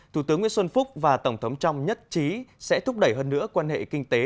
thủ tướng nguyễn xuân phúc và tổng thống trump nhất trí sẽ thúc đẩy hơn nữa quan hệ kinh tế